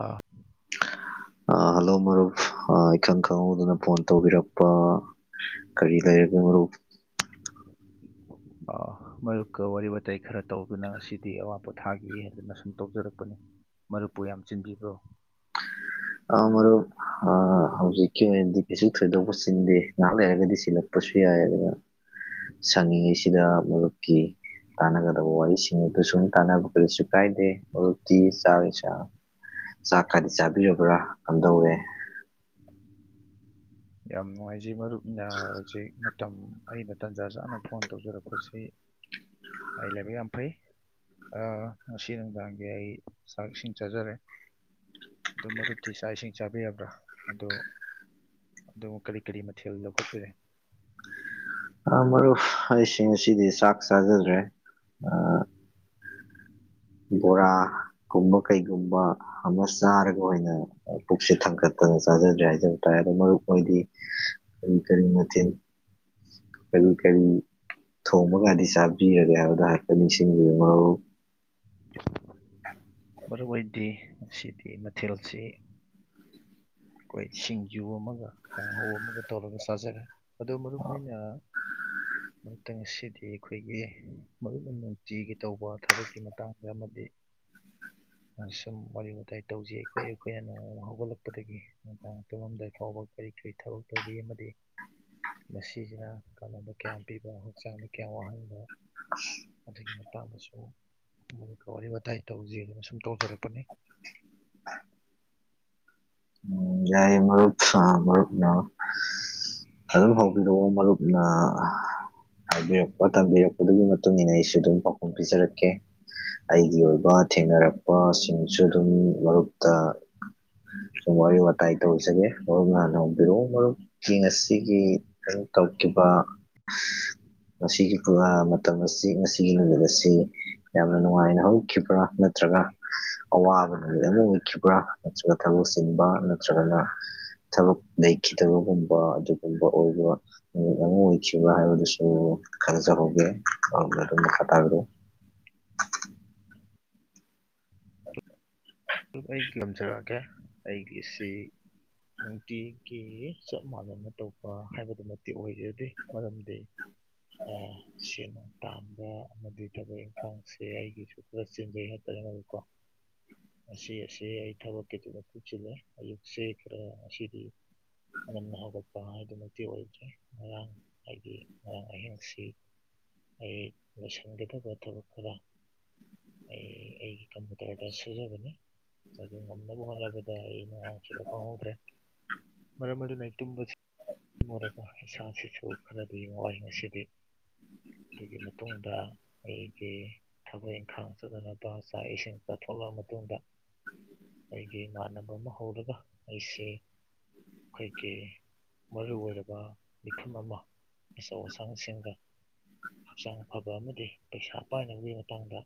ꯑꯥ hello ꯃꯔꯨꯞ ꯏꯈꯪ ꯈꯪꯍꯧꯗꯅ ꯐꯣꯟ ꯇꯧꯕꯤꯔꯛꯄ ꯀꯔꯤ ꯂꯩꯔꯒꯦ ꯃꯔꯨꯞ ꯑꯥ ꯃꯥꯔꯨꯞꯀ ꯋꯥꯔꯤ ꯋꯥꯇꯥꯏ ꯈꯔ ꯇꯧꯗꯨꯅ ꯉꯁꯤꯗꯤ ꯑꯋꯥ ꯄꯣꯊꯥꯒꯦ ꯍꯥꯏꯗꯨꯅ ꯑꯁꯨꯝ ꯇꯧꯖꯔꯛꯄꯅꯤ ꯃꯔꯨꯞꯄꯨ ꯌꯥꯝ ꯆꯤꯟꯕꯤꯕ꯭ꯔꯣ ꯑꯥ ꯃꯔꯨꯞ ꯑꯥ ꯍꯧꯖꯤꯛꯁꯦ [unintelligible] ꯊꯣꯏꯗꯣꯛꯕ ꯆꯤꯟꯗꯦ ꯉꯍꯥꯛ ꯂꯩꯔꯒꯗꯤ ꯁꯤꯜꯂꯛꯄꯁꯨ ꯌꯥꯏ ꯑꯗꯅ ꯁꯪꯉꯤꯉꯩꯁꯤꯗ ꯃꯔꯨꯞꯀꯤ ꯇꯥꯟꯅꯒꯗꯕ ꯋꯥꯔꯤꯁꯤꯡ ꯑꯗꯨ ꯁꯨꯝ ꯇꯥꯟꯅꯕ ꯀꯔꯤꯁꯨ ꯀꯥꯏꯗꯦ ꯃꯔꯨꯞꯇꯤ ꯆꯥꯛ ꯏꯟꯁꯥꯡ ꯆꯥꯛ ꯀꯥꯏꯗꯤ ꯆꯥꯕꯤꯔꯕ꯭ꯔꯥ ꯀꯝꯗꯧꯔꯦ ꯌꯥꯝ ꯅꯨꯡꯉꯥꯏꯖꯩ ꯃꯔꯨꯞꯅ ꯍꯧꯖꯤꯛ ꯃꯇꯝ ꯑꯩꯅ ꯇꯥꯟꯖꯥ ꯆꯥꯅ ꯐꯣꯟ ꯇꯧꯖꯔꯛꯄꯁꯤ ꯑꯩ ꯂꯥꯏꯕꯛ ꯌꯥꯝ ꯐꯩ ꯑꯥ ꯉꯁꯤ ꯅꯨꯡꯗꯥꯡꯒꯤ ꯑꯩ ꯆꯥꯛ ꯏꯁꯤꯡ ꯆꯥꯖꯔꯦ ꯑꯗꯨ ꯃꯔꯨꯞꯇꯤ ꯆꯥꯛ ꯏꯁꯤꯡ ꯆꯥꯕꯤꯔꯕ꯭ꯔꯥ ꯑꯗꯨ ꯑꯗꯨ ꯀꯔꯤ ꯀꯔꯤ ꯃꯊꯦꯜ ꯂꯧꯈꯠꯄꯤꯔꯦ ꯑꯥ ꯃꯔꯨꯞ ꯑꯩꯁꯦ ꯉꯁꯤꯗꯤ ꯆꯥꯛ ꯆꯥꯖꯗ꯭ꯔꯦ ꯑꯥ ꯕꯣꯔꯥꯒꯨꯝꯕ ꯀꯩꯒꯨꯝꯕ ꯑꯃ ꯆꯥꯔꯒ ꯑꯣꯏꯅ ꯄꯨꯛꯁꯦ ꯊꯥꯡꯒꯠꯇ ꯐꯖꯅ ꯆꯥꯖꯗ꯭ꯔꯦ ꯍꯥꯏꯖꯕ ꯇꯥꯔꯦ ꯑꯗꯣ ꯃꯔꯨꯞ ꯍꯣꯏꯗꯤ ꯀꯔꯤ ꯀꯔꯤ ꯃꯊꯦꯜ [inaudible] ꯀꯔꯤ ꯀꯔꯤ ꯊꯣꯡꯕꯒꯗꯤ ꯆꯥꯕꯤꯔꯒꯦ ꯍꯥꯏꯕꯗꯣ ꯍꯥꯏꯐꯠ ꯅꯤꯡꯁꯤꯡꯕꯤꯔꯛꯑꯣ ꯃꯔꯨꯞ ꯑꯩꯗꯤ ꯉꯁꯤꯗꯤ ꯃꯊꯦꯜꯁꯤ ꯑꯈꯣꯏ ꯁꯤꯡꯖꯨ ꯑꯃꯒ ꯀꯥꯡꯍꯧ ꯑꯃꯒ ꯇꯧꯔꯒ ꯆꯥꯖꯔꯦ ꯑꯗꯨ ꯃꯔꯨꯞ ꯑꯩꯅ ꯃꯔꯨꯝꯇ ꯉꯁꯤꯗꯤ ꯑꯈꯣꯏꯒꯤ ꯃꯔꯨꯞꯅ ꯅꯨꯡꯇꯤꯒꯤ ꯇꯧꯕ ꯊꯕꯛꯀꯤ ꯃꯇꯥꯡꯗ ꯑꯃꯗꯤ ꯁꯨꯝ ꯋꯥꯔꯤ ꯋꯥꯇꯥꯏ ꯇꯧꯖꯤ ꯑꯈꯣꯏ ꯑꯈꯣꯏꯅ ꯅꯣꯡꯃ ꯍꯧꯒꯠꯂꯛꯄꯗꯒꯤ ꯅꯨꯡꯗꯥꯡ ꯇꯨꯝꯂꯝꯝꯗꯥꯏ ꯐꯥꯎꯕ ꯀꯔꯤ ꯀꯔꯤ ꯊꯕꯛ ꯇꯧꯕꯤ ꯑꯃꯗꯤ ꯃꯁꯤꯁꯤꯅ ꯀꯥꯟꯅꯕ ꯀꯌꯥꯝ ꯄꯤꯕ ꯍꯛꯆꯥꯡꯗ ꯀꯌꯥꯝ ꯋꯥꯍꯟꯕ ꯑꯗꯨꯒꯤ ꯃꯇꯥꯡꯗꯁꯨ ꯃꯔꯨꯞꯀ ꯋꯥꯔꯤ ꯋꯥꯇꯥꯏ ꯇꯧꯖꯤꯅ ꯑꯁꯨꯝ ꯇꯧꯖꯔꯛꯄꯅꯤ ꯎꯝ ꯌꯥꯏꯌꯦ ꯃꯔꯨꯞ ꯑꯥ ꯃꯔꯨꯞꯅ ꯑꯗꯨꯝ ꯍꯧꯕꯤꯔꯛꯑꯣ ꯃꯔꯨꯞꯅ ꯍꯥꯏꯕꯤꯔꯛꯄ ꯊꯝꯕꯤꯔꯛꯄꯗꯨꯒꯤ ꯃꯇꯨꯡ ꯏꯟꯅ ꯑꯩꯁꯨ ꯑꯗꯨꯝ ꯄꯥꯎꯈꯨꯝ ꯄꯤꯖꯔꯛꯀꯦ ꯑꯩꯒꯤ ꯑꯣꯏꯕ ꯊꯦꯡꯅꯔꯛꯄꯁꯤꯡꯁꯨ ꯑꯗꯨꯝ ꯃꯔꯨꯞꯇ ꯁꯨꯝ ꯋꯥꯔꯤ ꯋꯥ ꯇ꯭ꯔꯥꯏ ꯇꯧꯖꯒꯦ ꯃꯔꯨꯞꯅ ꯍꯥꯟꯅꯍꯧꯕꯤꯔꯛꯑꯣ ꯃꯔꯨꯞꯀꯤ ꯉꯁꯤꯒꯤ ꯀꯔꯤ ꯇꯧꯈꯤꯕ [inaudible] ꯉꯁꯤꯒꯤ ꯃꯇꯝ ꯑꯁꯤ ꯉꯁꯤꯒꯤ ꯅꯨꯃꯤꯠ ꯑꯁꯤ ꯌꯥꯝꯅ ꯅꯨꯡꯉꯥꯏꯅ ꯍꯧꯈꯤꯕ꯭ꯔꯥ ꯅꯠꯇ꯭ꯔ ꯅꯠꯇ꯭ꯔꯒ ꯑꯋꯥꯕ ꯅꯨꯃꯤꯠ ꯑꯃ ꯑꯣꯏꯈꯤꯕ꯭ꯔꯥ ꯅꯠꯇ꯭ꯔꯒ ꯊꯕꯛ ꯆꯤꯟꯕ ꯅꯠꯇ꯭ꯔꯒꯅ ꯊꯕꯛ ꯂꯩꯈꯤꯗꯕꯒꯨꯝꯕ ꯑꯗꯨꯒꯨꯝꯕ ꯑꯣꯏꯕ ꯅꯨꯃꯤꯠ ꯑꯃ ꯑꯣꯏꯈꯤꯕ꯭ꯔꯥ ꯍꯥꯏꯕꯗꯨꯁꯨ ꯈꯟꯅꯖꯍꯧꯒꯦ ꯑꯗꯨꯒ ꯑꯗꯨꯝ ꯃꯈꯇꯥꯕꯤ꯭ꯔꯣ [inaudible] ꯑꯩ ꯇꯝꯖꯔꯛꯀꯦ ꯑꯩꯒꯤꯁꯤ ꯅꯨꯡꯇꯤꯒꯤ ꯆꯞ ꯃꯥꯟꯅꯅ ꯇꯧꯕ ꯍꯥꯏꯕꯗꯨꯃꯛꯇꯤ ꯑꯣꯏꯖꯗꯦ ꯃꯔꯝꯗꯤ ꯑꯥ [unintelligible] ꯇꯥꯟꯕ ꯑꯃꯗꯤ ꯊꯕꯛ ꯏꯪꯈꯥꯡꯁꯦ ꯑꯩꯒꯤꯁꯨ ꯈꯥꯔ ꯆꯦꯟꯖꯩ ꯍꯥꯏꯇꯥꯔꯦ ꯃꯗꯨꯀꯣ ꯉꯁꯤ ꯑꯁꯦ ꯑꯩ ꯊꯕꯛ ꯈꯤꯇꯪ ꯆꯤꯜꯂꯦ ꯑꯌꯨꯛꯁꯦ ꯈꯥꯔ ꯉꯁꯤꯗꯤ ꯉꯟꯅ ꯍꯧꯒꯠꯄ ꯍꯥꯏꯗꯨꯃꯛꯇꯤ ꯑꯣꯏꯗ꯭ꯔꯦ ꯉꯔꯥꯡ ꯍꯥꯏꯗꯤ ꯉꯔꯥꯡ ꯑꯍꯤꯡꯁꯤ ꯑꯩ ꯂꯣꯏꯁꯤꯟꯒꯗꯕ ꯊꯕꯛ ꯈꯥꯔ ꯑꯩ ꯑꯩꯒꯤ ꯀꯝꯄꯨꯇ꯭ꯔꯗ ꯁꯨꯖꯕꯅꯤ ꯃꯗꯨ ꯉꯝꯅꯕ ꯍꯣꯠꯅꯕꯗ ꯑꯩꯩ ꯅꯣꯡꯉꯥꯟꯈꯤꯕ ꯈꯪꯍꯧꯗ꯭ꯔꯦ ꯃꯔꯝ ꯑꯗꯨꯅ ꯑꯩ ꯇꯨꯝꯕꯁꯤ ꯋꯥꯏ ꯋꯥꯏ ꯏꯁꯥꯁꯤꯁꯨ ꯈꯔꯗꯤ ꯋꯥꯏ ꯉꯁꯤꯗꯤ ꯑꯗꯨꯒꯤ ꯃꯇꯨꯡꯗ ꯑꯩꯒꯤ ꯊꯕꯛ ꯏꯪꯈꯥꯡ ꯆꯠꯅꯅꯕ ꯆꯥꯛ ꯏꯁꯤꯡ ꯆꯥꯊꯣꯛ ꯊꯣꯛꯂꯛꯑꯕ ꯃꯇꯨꯡꯗ ꯑꯩꯒꯤ ꯏꯃꯥꯟꯅꯕ ꯑꯃ ꯍꯧꯔꯒ ꯑꯩꯁꯤ ꯑꯈꯣꯏꯒꯤ ꯃꯔꯨ ꯑꯣꯏꯔꯕ ꯃꯤꯐꯝ ꯑꯃ ꯑꯆꯧ ꯑꯁꯥꯡꯁꯤꯡꯒ ꯍꯛꯆꯥꯡ ꯐꯕ ꯑꯃꯗꯤ ꯄꯩꯁꯥ ꯄꯥꯏꯅꯕꯒꯤ ꯃꯇꯥꯡꯗ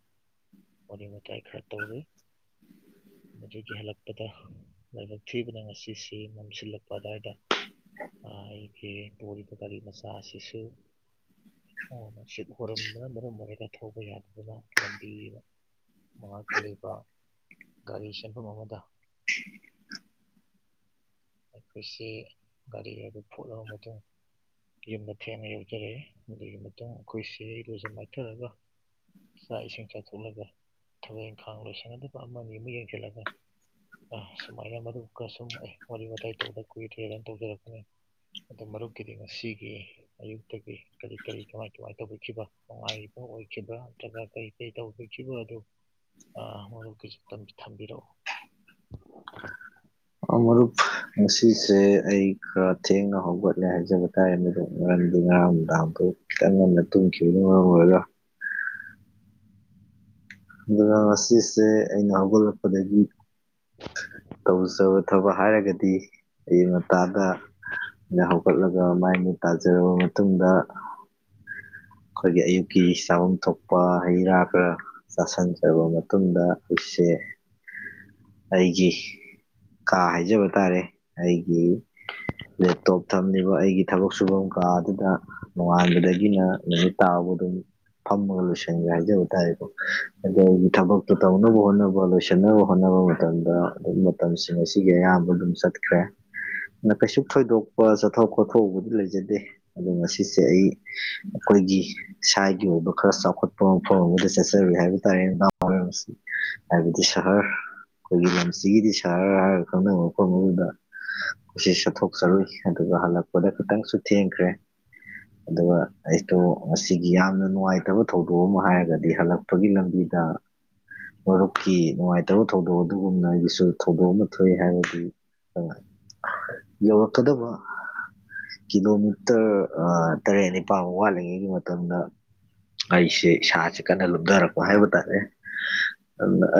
ꯋꯥꯔꯤ ꯋꯥꯇꯥꯏ ꯈꯔ ꯇꯧꯔꯨꯏ ꯍꯧꯖꯤꯛꯀꯤ ꯍꯜꯂꯛꯄꯗ ꯂꯥꯏꯕꯛ ꯊꯤꯕꯅ ꯉꯁꯤꯁꯤ ꯃꯝꯁꯤꯜꯂꯛꯄ ꯑꯗꯥꯏꯗ ꯑꯥ ꯑꯩꯒꯤ ꯄꯨꯔꯤꯕ ꯒꯥꯔꯤ ꯃꯆꯥ ꯑꯁꯤꯁꯨ ꯅꯨꯁꯤꯠ ꯍꯣꯔꯝꯕꯅ ꯃꯔꯝ ꯑꯣꯏꯔꯒ ꯊꯧꯕ ꯌꯥꯗꯗꯅ ꯂꯝꯕꯤꯗ ꯃꯥꯉꯀ ꯂꯩꯕ ꯒꯥꯔꯤ ꯆꯦꯟꯐꯝ ꯑꯃꯗ ꯑꯩꯈꯣꯏꯁꯦ ꯒꯥꯔꯤ ꯍꯥꯏꯕ ꯐꯨꯠꯂꯕ ꯃꯇꯨꯡ ꯌꯨꯝꯗ ꯊꯦꯡꯅ ꯌꯧꯖꯔꯛꯑꯦ ꯑꯗꯨꯒꯤ ꯃꯇꯨꯡ ꯑꯩꯈꯣꯏꯁꯦ ꯏꯔꯨꯖ ꯃꯥꯏꯊꯔꯒ ꯆꯥꯛ ꯏꯁꯤꯡ ꯆꯥꯊꯣꯛꯂꯒ ꯊꯕꯛ ꯏꯪꯈꯥꯡ ꯂꯣꯏꯁꯟꯒꯗꯕ ꯑꯃ ꯑꯃ ꯌꯦꯡꯁꯤꯜꯂꯒ ꯑꯥ ꯁꯨꯃꯥꯏꯅ ꯃꯔꯨꯞ ꯈꯔ ꯁꯨꯝ ꯑꯩ ꯋꯥꯔꯤ ꯋꯥꯇꯥꯏ ꯇꯧꯗ ꯀꯨꯏꯔꯦꯅ ꯇꯧꯖꯔꯛꯄꯅꯤ ꯑꯗꯨ ꯃꯔꯨꯞꯀꯤꯗꯤ ꯉꯁꯤꯒꯤ ꯑꯌꯨꯛꯇꯒꯤ ꯀꯔꯤ ꯀꯔꯤ ꯀꯃꯥꯏ ꯀꯃꯥꯏ ꯇꯧꯕꯤꯈꯤꯕ ꯅꯨꯡꯉꯥꯏꯔꯤꯕꯣ ꯑꯣꯏꯈꯤꯕ꯭ꯔꯥ ꯅꯠꯇ꯭ꯔꯒ ꯀꯩ ꯀꯔꯤ ꯇꯧꯕꯤꯈꯤꯕ ꯑꯗꯨ ꯑꯥ ꯃꯔꯨꯞꯀꯤꯁꯨ ꯇꯝ ꯊꯝꯕꯤꯔꯛꯎ ꯃꯔꯨꯞ ꯉꯁꯤꯁꯦ ꯑꯩꯒ ꯊꯦꯡꯅ ꯍꯧꯒꯠꯂꯦ ꯍꯥꯏꯖꯕ ꯇꯥꯔꯦ ꯃꯗꯨ ꯃꯔꯝꯗꯤ ꯉꯔꯥꯡ ꯅꯨꯡꯗꯥꯡꯗꯨꯣ ꯈꯤꯇꯪ ꯉꯟꯅ ꯇꯨꯝꯈꯤꯕꯅ ꯃꯔꯝ ꯑꯣꯏꯔ [unintelligible] ꯑꯗꯨꯅ ꯉꯁꯤꯁꯦ ꯑꯩꯅ ꯍꯧꯒꯠꯂꯛꯄꯗꯒꯤ ꯇꯧꯖꯕ ꯊꯕꯛ ꯍꯥꯏꯔꯒꯗꯤ ꯑꯌꯨꯛ ꯉꯟꯇꯗ ꯑꯩꯅ ꯍꯧꯒꯠꯂꯒ ꯃꯥꯏ ꯃꯤꯠ ꯇꯥꯖꯔꯕ ꯃꯇꯨꯡꯗ ꯑꯩꯈꯣꯏꯒꯤ ꯑꯌꯨꯛꯀꯤ ꯆꯥꯐꯝꯐꯝ ꯊꯣꯛꯄ ꯍꯩ ꯔꯥ ꯈꯔ ꯆꯥꯁꯤꯟꯖꯔꯕ ꯃꯇꯨꯡꯗ ꯁꯦ [inaudible] ꯑꯩꯒꯤ ꯀꯥ ꯍꯥꯏꯖꯕ ꯇꯥꯔꯦ ꯑꯩꯒꯤ ꯂꯦꯞꯇꯣꯞ ꯊꯝꯂꯤꯕ ꯑꯩꯒꯤ ꯊꯕꯛ ꯁꯨꯐꯝ ꯀꯥ ꯑꯗꯨꯗ ꯅꯣꯡꯉꯥꯟꯕꯗꯒꯤꯅ ꯅꯨꯃꯤꯠ ꯇꯥꯕꯨꯛ ꯑꯗꯨꯝ ꯐꯝꯃꯒ ꯂꯣꯏꯁꯟꯒ꯭ꯔꯦ ꯍꯥꯏꯖꯕ ꯇꯥꯔꯦꯀꯣ ꯑꯗꯣ ꯑꯩꯒꯤ ꯊꯕꯛꯇꯣ ꯇꯧꯅꯕ ꯍꯣꯠꯅꯕ ꯂꯣꯏꯁꯤꯟꯅꯕ ꯍꯣꯠꯅꯕ ꯃꯇꯝꯗ ꯑꯗꯨꯝ ꯃꯇꯝꯁꯤꯡ ꯑꯁꯤꯒꯤ ꯑꯌꯥꯝꯕ ꯑꯗꯨꯝ ꯆꯠꯈ꯭ꯔꯦ ꯀꯩꯁꯨ ꯊꯣꯏꯗꯣꯛꯄ ꯆꯠꯊꯣꯛ ꯈꯣꯠꯊꯣꯛꯎꯕꯗꯤ ꯂꯩꯖꯗꯦ ꯑꯗꯣ ꯉꯁꯤꯁꯦ ꯑꯩ ꯑꯩꯈꯣꯏꯒꯤ ꯏꯁꯥꯒꯤ ꯑꯣꯏꯕ ꯈꯔ ꯆꯥꯎꯈꯠꯄ ꯃꯐꯝ ꯑꯃꯗ ꯆꯠꯆꯔꯨꯏ ꯍꯥꯏꯕ ꯇꯥꯏꯌꯦ ꯍꯥꯏꯕꯗꯤ ꯁꯍꯔ ꯑꯩꯈꯣꯏꯒꯤ ꯂꯝꯁꯤꯒꯤꯗꯤ ꯁꯥꯍꯔ ꯍꯥꯏꯔꯒ ꯈꯪꯅꯕꯅꯕ ꯃꯐꯝ ꯑꯃꯗ ꯀꯁꯤ ꯆꯠꯊꯣꯛꯆꯔꯨꯏ ꯑꯗꯨꯒ ꯍꯜꯂꯛꯄꯗ ꯈꯤꯇꯪꯁꯨ ꯊꯦꯡꯈ꯭ꯔꯦ ꯑꯗꯨꯒ ꯑꯩꯗꯣ ꯉꯁꯤꯒꯤ ꯌꯥꯝꯅ ꯅꯨꯡꯉꯥꯏꯇꯕ ꯊꯧꯗꯣꯛ ꯑꯃ ꯍꯥꯏꯔꯒꯗꯤ ꯍꯜꯂꯛꯄꯒꯤ ꯂꯝꯕꯤꯗ ꯃꯔꯨꯞꯀꯤ ꯅꯨꯡꯉꯥꯏꯇꯕ ꯊꯧꯗꯣꯛ ꯑꯗꯨꯒꯨꯝꯅ ꯑꯩꯒꯤꯁꯨ ꯊꯧꯗꯣꯛ ꯑꯃ ꯊꯣꯛꯏ ꯍꯥꯏꯔꯗꯤ ꯑꯪ ꯌꯧꯔꯛꯀꯗꯕ ꯀꯤꯂꯣꯃꯤꯇꯔ ꯇꯔꯦꯠ ꯅꯤꯄꯥꯜꯃ ꯋꯥꯠꯂꯤꯉꯩꯒꯤ ꯃꯇꯝꯗ ꯑꯩꯁꯦ ꯏꯁꯥꯁꯦ ꯀꯟꯅ ꯂꯨꯝꯊꯔꯛꯄ ꯍꯥꯏꯕ ꯇꯥꯔꯦ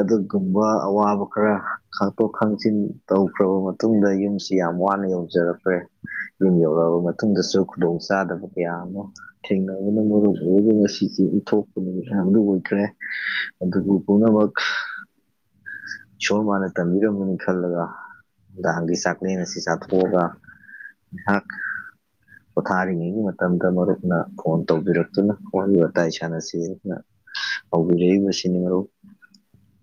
ꯑꯗꯨꯒꯨꯝꯕ ꯑꯋꯥꯕ ꯈꯔ ꯈꯥꯡꯇꯣꯛ ꯈꯥꯡꯖꯤꯟ ꯇꯧꯈ꯭ꯔꯕ ꯃꯇꯨꯡ ꯗ ꯌꯨꯝꯁꯤ ꯌꯥꯝ ꯋꯥꯅ ꯌꯧꯖꯔꯛꯈ꯭ꯔꯦ ꯌꯨꯝ ꯌꯧꯔꯛꯑꯕ ꯃꯇꯨꯡꯗꯁꯨ ꯈꯨꯗꯣꯡ ꯆꯥꯗꯕ ꯀꯌꯥ ꯑꯃ ꯊꯦꯡꯅꯕꯅ ꯃꯔꯝ ꯑꯣꯏꯔꯒ ꯉꯁꯤꯖꯦ ꯏꯟꯊꯣꯛꯄ ꯅꯨꯃꯤꯠ ꯍꯥꯏꯕꯗꯨ ꯑꯣꯏꯈ꯭ꯔꯦ ꯑꯗꯨꯕꯨ ꯄꯨꯝꯅꯃꯛ ꯏꯁꯣꯔ ꯃꯥꯅ ꯇꯝꯕꯤꯔꯝꯕꯅꯤ ꯈꯜꯂꯒꯥ ꯗꯥꯡꯒꯤ ꯆꯥꯛꯂꯦꯟ ꯑꯁꯤ ꯆꯥꯊꯣꯛꯑꯒ ꯅꯍꯥꯛ ꯄꯣꯊꯥꯔꯤꯉꯩꯒꯤ ꯃꯇꯝꯗ ꯃꯔꯨꯞ ꯅ ꯐꯣꯟ ꯇꯧꯕꯤꯔꯛꯇꯨꯅ ꯋꯥꯔꯤ ꯋꯥꯇꯥꯏ ꯁꯥꯟꯅꯁꯦꯅ ꯇꯧꯕꯤꯔꯛꯏꯕꯁꯤꯅꯤ ꯃꯔꯨꯞ [inaudible]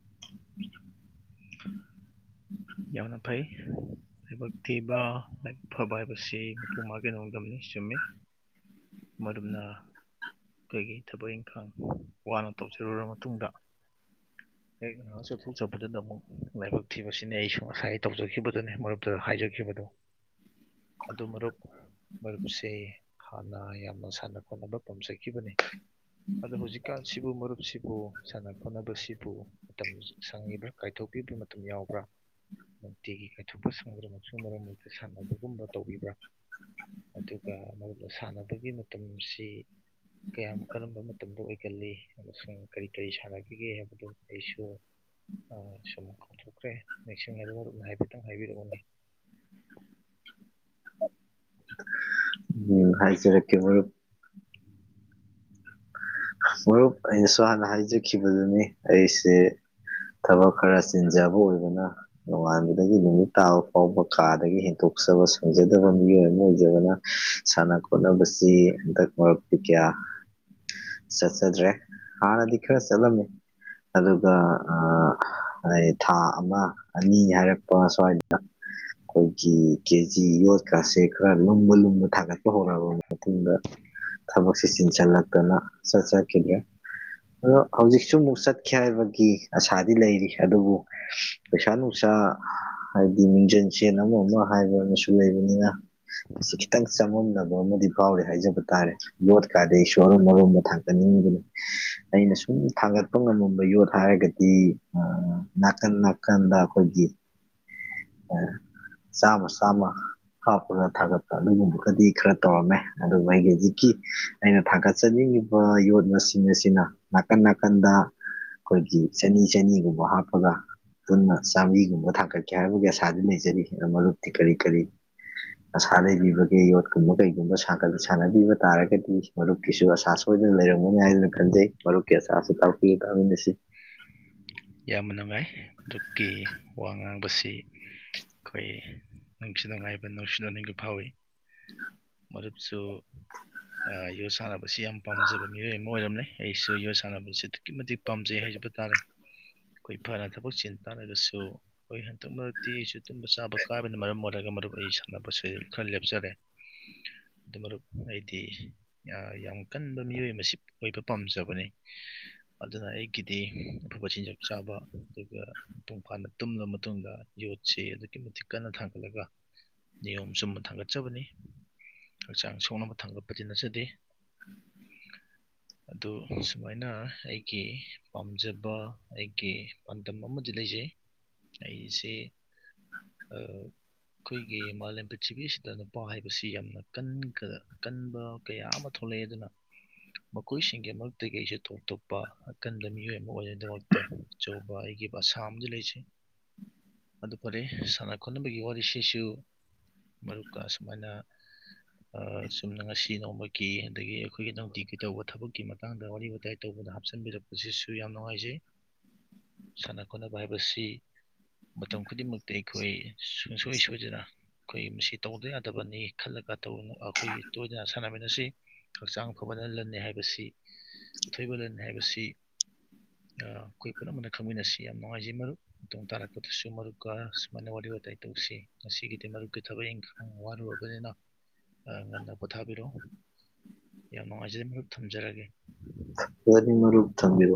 ꯌꯥꯝꯅ ꯐꯩ ꯂꯥꯏꯕꯛ ꯊꯤꯕ ꯂꯥꯏꯕꯛ ꯐꯕ ꯍꯥꯏ ꯃꯁꯤ ꯃꯄꯨ ꯃꯥꯒꯤ ꯅꯣꯡꯗꯝꯅꯤ ꯆꯨꯝꯃꯤ ꯃꯔꯨꯞꯅꯥ ꯀꯩꯒꯤ ꯊꯕꯛ ꯏꯪꯈꯥꯡ ꯋꯥꯅ ꯇꯧꯖꯔꯨꯔꯕ ꯃꯇꯨꯡꯗ ꯍꯦꯛ ꯉꯍꯥꯛ ꯆꯠꯊꯣꯛ ꯆꯕꯗꯨꯗ ꯑꯃꯨꯛ ꯂꯥꯏꯕꯛ ꯊꯤꯕꯁꯤꯅꯤ ꯑꯩꯁꯨ ꯉꯁꯥꯏ ꯇꯧꯖꯈꯤꯕꯗꯨꯅꯦ ꯃꯔꯨꯞꯇꯒ ꯍꯥꯏꯖꯈꯤꯕꯗꯣ ꯑꯗꯨ ꯃꯔꯨꯞ ꯃꯔꯨꯞꯁꯦ ꯍꯥꯟꯅ ꯌꯥꯝꯅ ꯁꯥꯟꯅ ꯈꯣꯠꯅꯕ ꯇꯝꯖꯈꯤꯕꯅꯤ ꯑꯗꯣ ꯍꯧꯖꯤꯛꯀꯥꯟ ꯁꯤꯕꯨ ꯃꯔꯨꯞꯁꯤ ꯕꯨ ꯁꯥꯟꯅ ꯈꯣꯠꯅꯕꯁꯤꯕꯨ ꯃꯇꯝ ꯁꯪꯉꯤꯕ꯭ꯔꯥ ꯀꯥꯏꯊꯣꯛꯄꯤꯕꯥ ꯃꯇꯝ ꯌꯥꯎꯕ꯭ꯔꯥ ꯅꯨꯡꯇꯤꯒꯤ ꯀꯥꯏꯊꯣꯛꯄ ꯁꯪꯗ꯭ꯔꯃꯛꯁꯨ ꯃꯔꯛ ꯃꯔꯛꯇ ꯁꯥꯟꯅꯕꯒꯨꯝꯕ ꯇꯧꯕꯤꯕ꯭ꯔꯥ ꯑꯗꯨꯒ ꯃꯔꯨꯞꯅ ꯁꯥꯟꯅꯕꯒꯤ ꯃꯇꯝꯁꯤ ꯀꯌꯥꯝ ꯀꯔꯝꯕ ꯃꯇꯝꯗ ꯑꯣꯏꯒꯜꯂꯤ ꯑꯃꯁꯨꯡ ꯀꯔꯤ ꯀꯔꯤ ꯁꯥꯟꯅꯈꯤꯒꯦ ꯍꯥꯏꯕꯗꯨ ꯑꯩꯁꯨ ꯑꯥ ꯁꯨꯝ ꯀꯥꯎꯊꯣꯛꯈ꯭ꯔꯦ ꯃꯦꯛꯁꯤꯡꯅꯕ ꯃꯔꯨꯞꯅ ꯍꯥꯏꯐꯦꯠꯇꯪ ꯍꯥꯏꯕꯤꯔꯛꯎꯅꯦ ꯎꯝ ꯍꯥꯏꯖꯔꯛꯀꯦ ꯃꯔꯨꯞ ꯃꯔꯨꯞ ꯑꯩꯅꯁꯨ ꯍꯥꯟꯅ ꯍꯥꯏꯖꯈꯤꯕꯗꯨꯅꯤ ꯑꯩꯁꯦ ꯊꯕꯛ ꯈꯔ ꯆꯤꯟꯖꯕ ꯑꯣꯏ ꯗꯨꯅꯥ ꯅꯣꯡꯉꯥꯟꯕꯗꯒꯤ ꯅꯨꯃꯤꯠ ꯇꯥꯕ ꯐꯥꯎꯕ ꯀꯥꯗꯒꯤ ꯍꯦꯟꯇꯣꯛꯆꯕ ꯁꯡꯖꯗꯕ ꯃꯤꯑꯣꯏ ꯑꯃ ꯑꯣꯏꯖꯩ ꯑꯗꯨꯗꯨꯅꯥ ꯁꯥꯟꯅ ꯈꯣꯠꯅꯕꯁꯤ ꯍꯟꯇꯛ ꯃꯔꯛꯇꯤ ꯀꯌꯥ [inaudible] ꯆꯠꯆꯗ꯭ꯔꯦ ꯍꯥꯟꯅꯗꯤ ꯈꯔ ꯆꯠꯂꯝꯃꯤ ꯑꯗꯨꯒ ꯑꯥ ꯑꯩ ꯊꯥ ꯑꯃ ꯑꯅꯤ ꯍꯥꯏꯔꯛꯄ ꯁ꯭ꯋꯥꯗꯏꯗꯅꯥ ꯈꯣꯏꯒꯤ ꯀꯦꯖꯤ ꯌꯣꯠꯀꯥꯁꯦ ꯈꯔ ꯂꯨꯝꯕ ꯂꯨꯝꯕ ꯊꯥꯡꯒꯠꯄ ꯍꯧꯔꯛꯑꯕ ꯃꯇꯨꯡꯗ ꯊꯕꯛꯁꯤ ꯆꯤꯟꯁꯜꯂꯛꯇꯅ ꯆꯠꯆꯗ꯭ꯔꯤꯌꯦ ꯑꯗꯣ ꯍꯧꯖꯤꯛꯁꯨ ꯑꯃꯨꯛ ꯆꯠꯀꯦ ꯍꯥꯏꯕꯒꯤ ꯑꯁꯥꯗꯤ ꯂꯩꯔꯤ ꯑꯗꯨꯕꯨ ꯄꯩꯁꯥ ꯅꯨꯡꯁꯥ ꯑꯥ ꯍꯥꯏꯗꯤ ꯃꯤꯡꯖꯟ ꯁꯦꯟ ꯑꯃ ꯃ ꯍꯥꯏꯕ ꯑꯝꯁꯨ ꯂꯩꯕꯅꯤꯅ ꯑꯁꯤ ꯈꯤꯇꯪ ꯆ ꯆꯃꯝꯅꯕ ꯑꯃꯗꯤ ꯐꯥꯎꯌꯤ ꯍꯥꯏꯖꯕ ꯇꯥꯔꯦ ꯌꯣꯠ ꯀꯥꯗꯤ ꯏꯁꯣꯔꯅ ꯃꯔꯨꯝꯃ ꯊꯥꯡꯒꯠꯅꯤꯡꯉꯤꯕꯅꯤ ꯑꯩꯅ ꯁꯨꯝ ꯊꯥꯡꯒꯠꯄ ꯉꯃꯝꯕ ꯌꯣꯠ ꯍꯥꯏꯔꯒꯗꯤ ꯑꯥ ꯅꯥꯀꯟ ꯅꯥꯀꯟꯗ ꯑꯈꯣꯏꯒꯤ [inaudible] ꯑꯥ ꯆꯥꯝꯃ ꯆꯥꯝꯃ ꯍꯥꯞꯄ꯭ꯔ ꯊꯥꯡꯒꯠꯄ꯭ꯔ ꯑꯗꯨꯒꯨꯝꯕꯒꯗꯤ ꯈꯔ ꯇꯧꯔꯝꯃꯦ ꯑꯗꯨꯒ ꯑꯩꯒꯤ ꯍꯧꯖꯤꯛꯀꯤ ꯑꯩꯅ ꯊꯥꯡꯒꯠꯆꯅꯤꯡꯉꯤ ꯕ ꯌꯣꯠ ꯃꯁꯤꯡ ꯑꯁꯤꯅ ꯅꯥꯀꯟ ꯅꯥꯀꯟꯗ ꯈꯣꯏꯒꯤ ꯆꯅꯤ ꯆꯅꯤꯒꯨꯝꯕ ꯍꯥꯞꯄꯒ ꯄꯨꯟꯅ ꯆꯥꯝꯔꯤꯒꯨꯝꯕ ꯊꯥꯡꯒꯠꯀꯦ ꯍꯥꯏꯕꯒꯤ ꯑꯁꯥꯗꯤ ꯂꯩꯖꯔꯤ ꯑꯥ ꯃꯔꯨꯞꯇꯤ ꯀꯔꯤ ꯀꯔꯤ ꯑꯁꯥ ꯂꯩꯕꯤꯕꯒꯦ ꯌꯣꯠꯀꯨꯝꯕ ꯀꯩꯒꯨꯝꯕ ꯁꯥꯒꯠ ꯁꯥꯟꯅꯕꯤꯕ ꯇꯥꯔꯒꯗꯤ ꯃꯔꯨꯞꯀꯤꯁꯨ ꯑꯁꯥ ꯁꯣꯏꯗꯅ ꯂꯩꯔꯝꯒꯅꯤ ꯍꯥꯏꯗꯨꯅ ꯈꯟꯖꯩ ꯃꯔꯨꯞꯀꯤ ꯑꯁꯥꯁꯨ ꯇꯥꯛꯄꯤꯎ ꯇꯥꯃꯤꯟꯅꯁꯤ ꯌꯥꯝꯅ ꯅꯨꯡꯉꯥꯏ ꯗꯨꯗꯤ ꯋꯥ ꯉꯥꯡꯕꯁꯤ ꯁꯤ ꯈꯣꯏ ꯅꯨꯡꯁꯤ ꯅꯨꯡꯉꯥꯏꯕ ꯅꯣꯛꯁꯨ ꯅꯣꯛꯅꯤꯡꯕ ꯐꯥꯎꯋꯤ ꯃꯔꯨꯞꯁꯨ ꯑꯥ ꯌꯣꯠ ꯁꯥꯟꯅꯕꯁꯤ ꯌꯥꯝ ꯄꯥꯝꯖꯕ ꯃꯤꯑꯣꯏ ꯑꯃ ꯑꯣꯏꯔꯝꯂꯦ ꯑꯩꯁꯨ ꯌꯣꯠ ꯁꯥꯟꯅꯕꯁꯤ ꯑꯗꯨꯛꯀꯤ ꯃꯇꯤꯛ ꯄꯥꯝꯖꯩ ꯍꯥꯏꯖ ꯗꯨ ꯇꯥꯔꯦ ꯑꯩꯈꯣꯏ ꯐꯅ ꯊꯕꯛ ꯆꯤꯟ ꯇꯥꯔꯒꯁꯨ ꯈꯣꯏ ꯍꯟꯗꯛ ꯃꯔꯛꯇꯤ ꯑꯩꯁꯨ ꯇꯨꯝꯕ ꯆꯥꯕ ꯀꯥꯏꯕꯅ ꯃꯔꯝ ꯑꯣꯏꯔꯒ ꯃꯔꯨꯞ ꯑꯩ ꯁꯥꯟꯅꯕꯁꯤ ꯈꯔ ꯂꯦꯞꯆꯔꯦ ꯑꯗꯨ ꯃꯔꯨꯞ ꯑꯩꯗꯤ ꯌꯥ ꯌꯥꯝ ꯀꯟꯕ ꯃꯤꯑꯣꯏ ꯑꯃꯁꯤ ꯑꯣꯏꯕ ꯄꯥꯝꯖꯕꯅꯤ ꯑꯗꯨꯅ ꯑꯩ ꯀꯤꯗꯤ ꯃꯆꯤ ꯆꯤꯟꯖꯥꯛ ꯆꯥꯕ ꯑꯗꯨꯒ ꯄꯨꯡ ꯐꯥꯅ ꯇꯨꯝꯂ ꯃꯇꯨꯡꯗ ꯌꯣꯠꯁꯤ ꯑꯗꯨꯛꯀꯤ ꯃꯇꯤꯛ ꯀꯟꯅ ꯊꯥꯡ ꯒꯠꯂꯒ ꯅꯤꯌꯣꯝ ꯆꯨꯝꯕ ꯊꯥꯡꯒꯠꯆꯕꯅꯤ ꯍꯛꯆꯥꯡ ꯁꯣꯛꯅꯕ ꯊꯥꯡꯒꯠꯄꯗꯤ ꯅꯠꯆꯗꯦ ꯑꯗꯨ ꯁꯨꯃꯥꯏꯅ ꯑꯩꯒꯤ ꯄꯥꯝꯖ ꯕꯥ ꯑꯩꯒꯤ ꯄꯥꯟꯗꯝ ꯑꯃꯗꯤ ꯂꯩꯖꯩ ꯑꯩꯁꯦ ꯑꯥ ꯈꯣꯏꯒꯤ ꯃꯥꯂꯦꯝ ꯄ꯭ꯔꯤꯊꯤꯕꯤꯁꯤꯗ ꯅꯨꯄꯥ ꯍꯥꯏꯕꯁꯤ ꯌꯥꯝꯅ ꯀꯟ ꯀ ꯀꯟꯕ ꯀꯌꯥ ꯑꯃ ꯊꯣꯛꯂꯛ ꯂꯩ ꯑꯗꯨꯅ ꯃꯈꯣꯏꯁꯤꯡꯒꯤ ꯃꯔꯛꯇꯒꯤ ꯑꯩꯁꯨ ꯇꯣꯞ ꯇꯣꯞꯄ ꯑꯀꯟꯕ ꯃꯤꯑꯣꯏ ꯑꯃ ꯑꯣꯏꯔ ꯑꯗꯨꯃꯛꯇ ꯑꯆꯧꯕ ꯑꯩꯒꯤ ꯑꯁꯥ ꯑꯝꯗꯤ ꯂꯩꯖꯩ ꯑꯗꯨ ꯐꯔꯦ ꯁꯥꯟꯅ ꯈꯣꯠꯅꯕꯒꯤ ꯋꯥꯔꯤꯁꯤꯁꯨ ꯃꯔꯨꯞꯀ ꯑꯁꯨꯨꯃꯥꯏꯅ ꯑꯥ ꯆꯨꯝꯅ ꯉꯁꯤ ꯅꯣꯡꯃꯀꯤ ꯑꯗꯒꯤ ꯑꯩꯈꯣꯏꯒꯤ ꯅꯨꯡꯇꯤꯒꯤꯩ ꯇꯧꯕ ꯊꯕꯛꯀꯤ ꯃꯇꯥꯡꯗ ꯋꯥꯔꯤ ꯋꯥꯇꯥꯏ ꯇꯧꯕ ꯑꯗꯨꯗ ꯍꯥꯞꯆꯤꯟꯕꯤꯔꯛꯄꯁꯤꯁꯨ ꯌꯥꯝ ꯅꯨꯡꯉꯥꯏꯖꯩ ꯁꯥꯟꯅ ꯈꯣꯠꯅꯕ ꯍꯥꯏꯕꯁꯤ ꯃꯇꯝ ꯈꯨꯗꯤꯡꯃꯛꯇ ꯑꯩꯈꯣꯏ ꯁꯨ ꯁꯨꯡꯁꯣꯏ ꯁꯣꯏꯗꯅ ꯑꯈꯣꯏ ꯃꯁꯤ ꯇꯧꯗ ꯌꯥꯗꯕꯅꯤ ꯈꯜꯂꯒ ꯊꯧꯔꯨꯅꯨ ꯑꯈꯣꯏꯒꯤ ꯁꯣꯏꯗꯅ ꯁꯥꯟꯅꯃꯤꯟꯅꯁꯤ ꯍꯛꯆꯥꯡ ꯐꯕꯅ ꯂꯟꯅꯦ ꯍꯥꯏꯕꯁꯤ ꯎꯊꯣꯏꯕ ꯂꯟꯅꯦ ꯍꯥꯏꯕꯁꯤ ꯑꯥ ꯑꯈꯣꯏ ꯄꯨꯝꯅꯃꯛꯅ ꯈꯪꯃꯤꯟꯅꯁꯤ ꯌꯥꯝ ꯅꯨꯡꯉꯥꯏꯖꯩ ꯃꯔꯨꯞ ꯃꯇꯨꯡ ꯇꯥꯔꯛꯄꯗꯁꯨ ꯃꯔꯨꯞꯀ ꯁꯨꯃꯥꯏꯅ ꯋꯥꯔꯤ ꯋꯥꯇꯥꯏ ꯇꯧꯁꯤ ꯉꯁꯤꯒꯤꯗꯤ ꯃꯔꯨꯞꯀꯤ ꯊꯕꯛ ꯏꯪꯈꯥꯡ ꯋꯥꯔꯨꯔꯕꯅꯤꯅ ꯑꯥ ꯉꯟꯅ ꯄꯣꯊꯥꯕꯤꯔꯣ ꯌꯥꯝ ꯅꯨꯡꯉꯥꯏꯖꯩ ꯃꯔꯨꯞ ꯊꯝꯖꯔꯒꯦ ꯑꯗꯨꯗꯤ ꯃꯔꯨꯞ ꯊꯝꯕꯤꯔꯣ